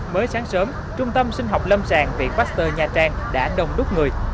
mới sáng sớm trung tâm sinh học lâm sàng viện pasteur nha trang đã đông đúc người